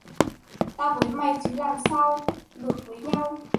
Tao với mày chứ làm sao được với nhau